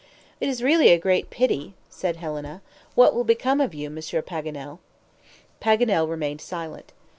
"It is really a great pity," said Helena. "What will become of you, Monsieur Paganel?" Paganel remained silent.